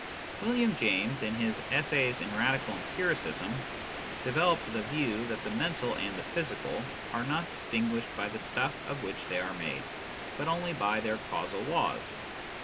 William James, in his Essays in Radical Empiricism, developed the view that the mental and the physical are not distinguished by the stuff of which they are made, but only by their causal laws.